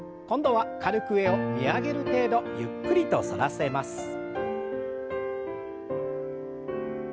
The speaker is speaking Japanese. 今度は軽く上を見上げる程度ゆっくりと反らせます。